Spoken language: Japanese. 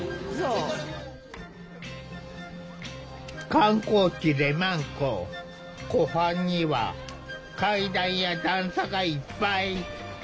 観光地湖畔には階段や段差がいっぱい。